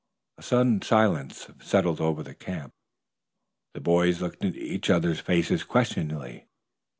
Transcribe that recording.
A sudden silence settled over the camp. The boys looked into each other's faces questioningly.